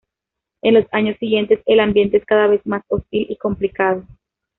En los años siguientes el ambiente es cada vez más hostil y complicado.